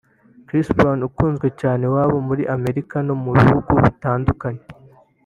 Chris Brown ukunzwe cyane iwabo muri Amerika no mu bihugu bitandukanye